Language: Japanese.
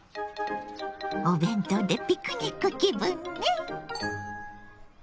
お弁当でピクニック気分ね！